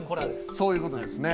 そういうことですね。